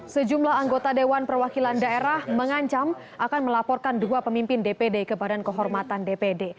sejumlah anggota dewan perwakilan daerah mengancam akan melaporkan dua pemimpin dpd ke badan kehormatan dpd